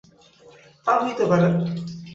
তা হইতে পারে।